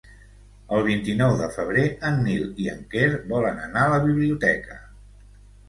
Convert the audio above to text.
El vint-i-nou de febrer en Nil i en Quer volen anar a la biblioteca.